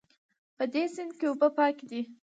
په دې سیند کې اوبه پاکې دي